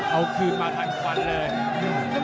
เอาคลีนมาถ่ายควันเลย